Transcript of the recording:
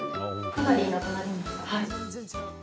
かなり、なくなりました。